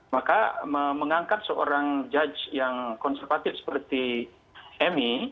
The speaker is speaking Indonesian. maka mengangkat seorang judge yang konservatif seperti emmy